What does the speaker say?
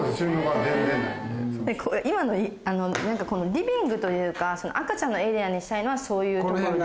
今の何かこのリビングというか赤ちゃんのエリアにしたいのはそういう所で。